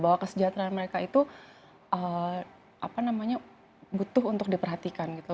bahwa kesejahteraan mereka itu butuh untuk diperhatikan gitu